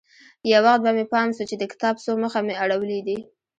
يو وخت به مې پام سو چې د کتاب څو مخه مې اړولي دي.